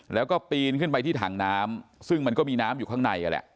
แล้วก็ปีนขึ้นไปที่ถังน้ำซึ่งมันก็มีน้ำอยู่ข้างในนั่นแหละ